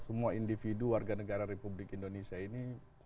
semua individu warga negara republik indonesia ini